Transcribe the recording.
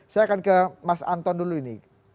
saya akan ke mas anton dulu ini